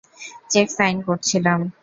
Check sign করছিলাম।